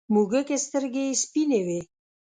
موږک سترگې سپینې وې.